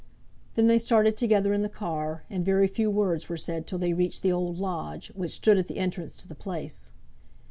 Then they started together in the car, and very few words were said till they reached the old lodge, which stood at the entrance to the place.